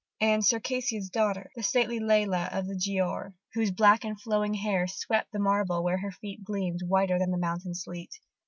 and "Circassia's daughter," the stately Leila of The Giaour, whose black and flowing hair "swept the marble where her feet gleamed whiter than the mountain sleet."